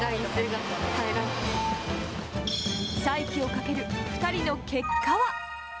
再起をかける２人の結果は？